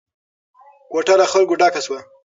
کوټه له خلکو ډکه شوه.